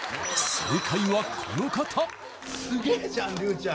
正解はこの方すげえじゃん竜ちゃん